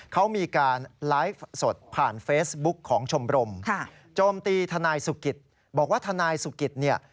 เขามีการไลฟ์สดผ่านเฟซบุ๊กของชมรมโจมตีทนายสุกิตบอกว่าทนายสุกิตเนี่ย